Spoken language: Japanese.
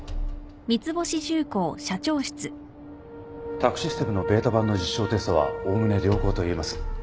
宅・システムのベータ版の実証テストはおおむね良好といえます。